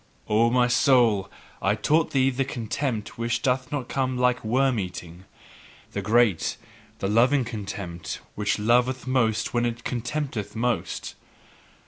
O my soul, I taught thee the contempt which doth not come like worm eating, the great, the loving contempt, which loveth most where it contemneth most.